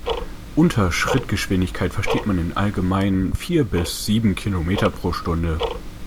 Unter Schrittgeschwindigkeit versteht man im Allgemeinen vier bis sieben Kilometer pro Stunde.